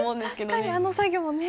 確かにあの作業ね。